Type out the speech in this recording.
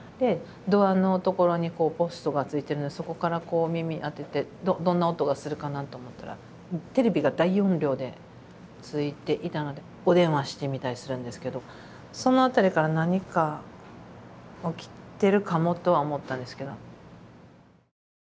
ドアのところにポストがついてるのでそこからこう耳当ててどんな音がするかなと思ったらテレビが大音量でついていたのでお電話してみたりするんですけどそのあたりから何か起きてるかもとは思ったんですけど。